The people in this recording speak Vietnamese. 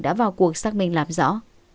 đã vào cuộc xác minh làm rõ